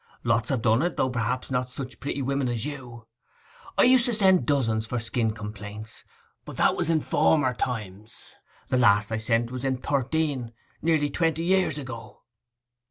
Lots have done it, though perhaps not such pretty women as you. I used to send dozens for skin complaints. But that was in former times. The last I sent was in '13—near twenty years ago.